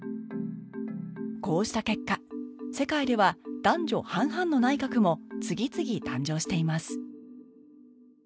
こうした結果世界では男女半々の内閣も次々誕生しています